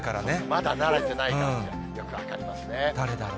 まだ慣れてないのがよく分かりますね。